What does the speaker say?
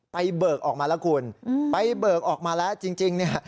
เบิกออกมาแล้วคุณไปเบิกออกมาแล้วจริงเนี่ย